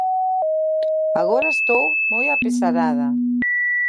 Agora estou moi apesarada.